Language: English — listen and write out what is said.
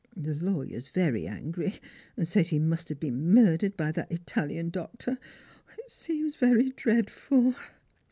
The lawyer is very angry, and says he must have been murdered by that Italian doctor. It seems very dreadful."